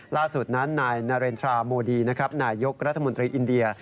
ล่าสุดนั้นนายนาเรนทราโมดีนะครับนายยกรัฐมนตรีอินเดีย